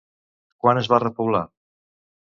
Quan es va repoblar?